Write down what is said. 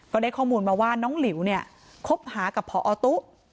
ได้ข้อมูลมาว่าน้องหลิวเนี่ยคบหากับพอตุ